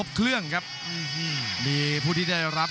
พักแปดกันและสวัสดีครับ